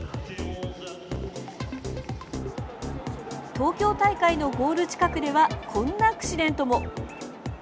東京大会のゴール近くではこんなアクシデントも。